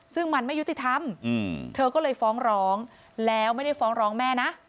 ซึ่งมันไม่ยุติธรรมเธอก็เลยฟ้องร้องแล้วไม่ได้ฟ้องร้องแม่นะ